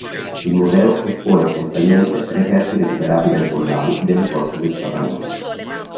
Il Museo espone essenzialmente reperti recuperati dai fondali delle coste del trapanese.